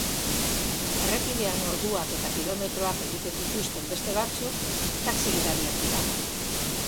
Errepidean orduak eta kilometroak egiten dituzten beste batzuk taxi gidariak dira.